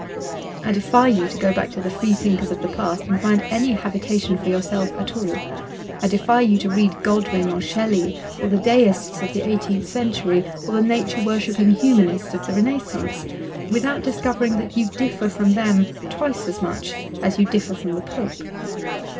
I defy you to go back to the Freethinkers of the past and find any habitation for yourself at all. I defy you to read Godwin or Shelley, or the deists of the eighteenth century, or the nature worshipping humanists of the Renaissance, without discovering that you differ from them twice as much as you differ from the Pope.